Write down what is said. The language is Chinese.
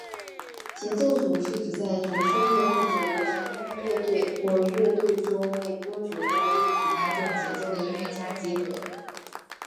节奏组是指在爵士乐或者流行音乐乐队或乐团中为歌曲或乐曲搭建节奏的音乐家集合。